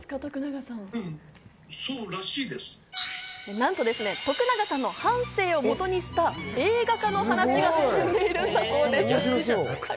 なんと徳永さんの半生をもとにした映画化の話が進んでいるんだそうです。